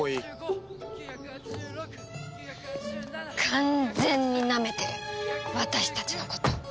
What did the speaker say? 完全になめてる私たちのこと。